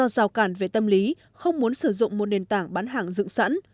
do rào cản về tâm lý không muốn sử dụng một nền tảng bán hàng dựng sẵn